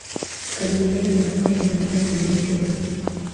Kukabiliana na hatari mbalimbali na mahusiano